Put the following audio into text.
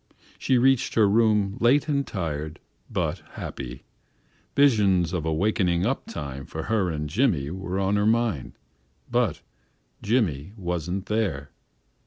She reached her room late and tired, but happy. Visions of a "wakening up" time for her and Jimmy were in her mind. But Jimmy wasn't there.